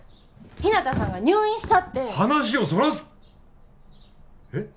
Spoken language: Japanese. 日向さんが入院したって話をそらすえっ！？